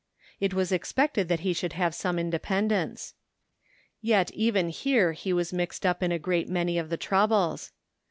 It was expected that he should have some independence. Yet even here he was mixed up in a great many of the troubles.